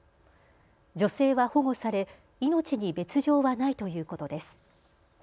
女性は保護され命に別状はないということです。